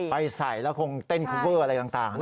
ไปใส่แล้วคงเต้นคุ้กเบออ์อะไรต่างนะ